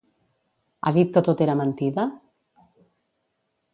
Ha dit que tot era mentida?